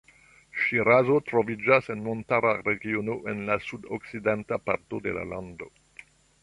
Ŝirazo troviĝas en montara regiono en la sud-okcidenta parto de la lando.